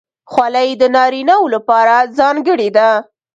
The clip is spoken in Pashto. خولۍ د نارینه وو لپاره ځانګړې ده.